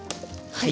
はい。